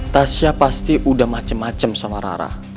tasya pasti udah macem macem sama rara